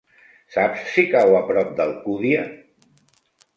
Saps si cau a prop d'Alcúdia?